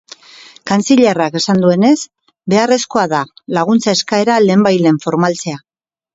Kantzilerrak esan duenez, beharrezkoa da laguntza eskaera lehenbailehen formaltzea.